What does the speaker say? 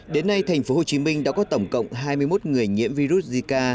đến nay thành phố hồ chí minh đã có tổng cộng hai mươi một người nhiễm virus zika